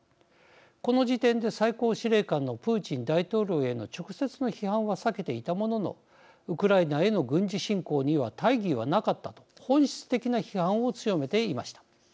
この時点で、最高司令官のプーチン大統領への直接の批判は避けていたもののウクライナへの軍事侵攻には大義はなかったと本質的な批判を強めていました。